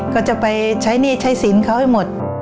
ก็จะไปใช้หนี้ใช้สินเขาให้หมด